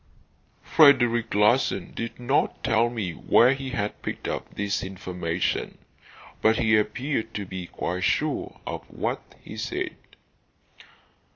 Frederic Larsan did not tell me where he had picked up this information; but he appeared to be quite sure of what he said.